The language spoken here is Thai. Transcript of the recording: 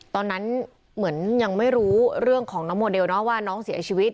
ตอนนั้นเหมือนยังไม่รู้เรื่องของน้องโมเดลเนอะว่าน้องเสียชีวิต